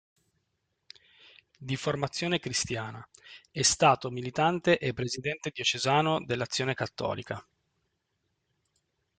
Di formazione cristiana, è stato militante e presidente diocesano dell'Azione Cattolica.